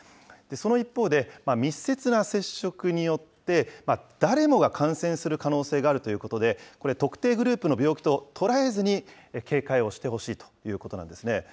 その一方で、密接な接触によって、誰もが感染する可能性があるということで、これ、特定グループの病気と捉えずに、警戒をしてほしいということなんですね。